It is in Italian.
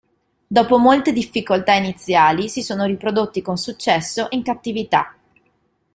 Dopo molte difficoltà iniziali, si sono riprodotti con successo in cattività.